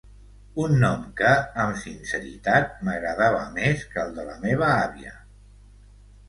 Un nom que, amb sinceritat, m'agradava més que el de la meua àvia.